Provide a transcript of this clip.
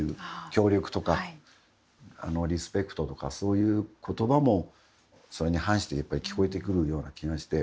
協力とか、リスペクトとかそういうことばも、それに反して聞こえてくるような気がして